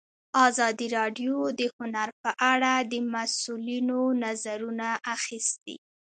ازادي راډیو د هنر په اړه د مسؤلینو نظرونه اخیستي.